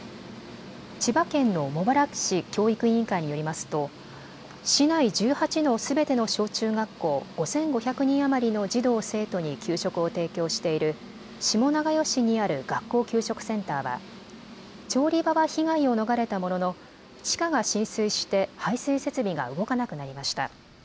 千葉県の茂原市教育委員会によりますと市内１８のすべての小中学校５５００人余りの児童生徒に給食を提供している下永吉にある学校給食センターは調理場は被害を逃れたものの地下が浸水して排水設備が動かなくなりました。